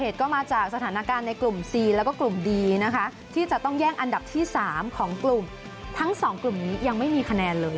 ที่ทางมันยังไม่มีคะแนนเลย